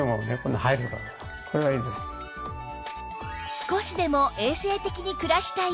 少しでも衛生的に暮らしたい